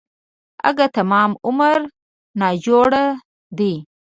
اگه تمام عمر ناجوړه دی.